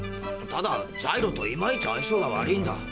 ただジャイロといまいち相性が悪いんだ。